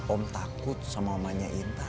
om takut sama omanya intan